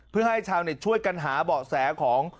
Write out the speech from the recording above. เพื่อให้ชาวเน็ตช่วยกันหาเบาะแสของ